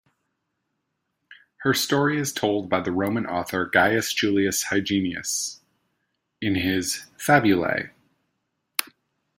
Her story is told by the Roman author Gaius Julius Hyginus in his "Fabulae".